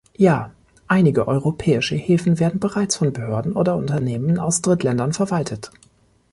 Ja, einige europäische Häfen werden bereits von Behörden oder Unternehmen aus Drittländern verwaltet.